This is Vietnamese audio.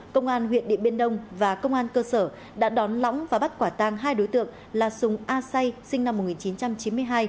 công an huyện điện biên đông và công an cơ sở đã đón lõng và bắt quả tang hai đối tượng là sùng a say sinh năm một nghìn chín trăm chín mươi hai